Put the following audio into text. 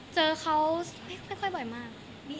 เจอเขาไม่ค่อยบ่อยมาก